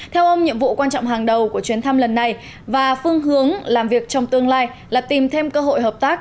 theo ông nhiệm vụ quan trọng hàng đầu của chuyến thăm lần này và phương hướng làm việc trong tương lai là tìm thêm cơ hội hợp tác